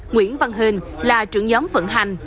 nguyễn văn hên là trưởng nhóm vận hành